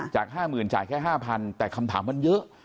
จาก๕๐๐๐จ่ายแค่๕๐๐แต่คำถามมันเยอะ